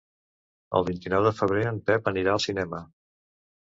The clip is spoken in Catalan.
El vint-i-nou de febrer en Pep anirà al cinema.